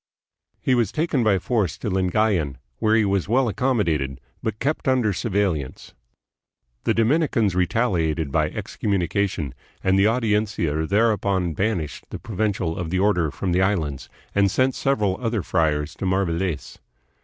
He was taken by force to Lingayan, where he was well accommodated but kept under surveil lance. The Dominicans retaliated by excommunication, and the Audiencia thereupon banished the provincial of the order from the Islands, and sent several other friars to Mariveles.